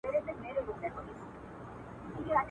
په يو تن كي سل سرونه سل غليمه.